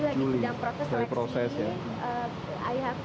jadi lagi sedang proses seleksi